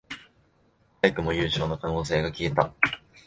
早くも優勝の可能性が消えた